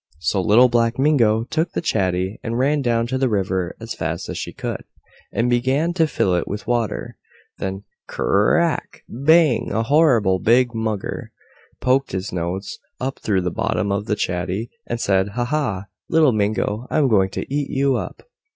So Little Black Mingo took the chatty and ran down to the river as fast as she could, and began to fill it with water, when Cr r rrrack!!! Bang!!! A horrible big Mugger {ed. A Mugger is an alligator like creature.} poked its nose up through the bottom of the chatty and said "Ha, ha!! Little Mingo, I'm going to eat you up!"